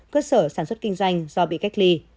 cơ sở sản xuất kinh doanh do bị cách ly